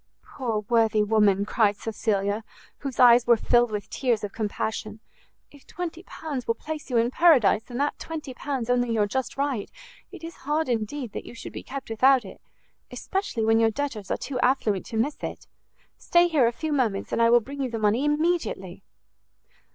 "Poor worthy woman!" cried Cecilia, whose eyes were filled with tears of compassion, "if 20 pounds will place you in paradise, and that 20 pounds only your just right, it is hard, indeed, that you should be kept without it; especially when your debtors are too affluent to miss it. Stay here a few moments, and I will bring you the money immediately."